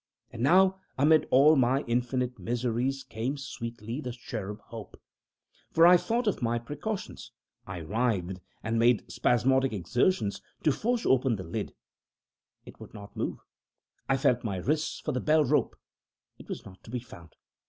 And now, amid all my infinite miseries, came sweetly the cherub Hope for I thought of my precautions. I writhed, and made spasmodic exertions to force open the lid: it would not move. I felt my wrists for the bell rope: it was not to be found.